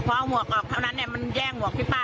พอเอาหมวกออกเท่านั้นมันแย่งหมวกที่ป้า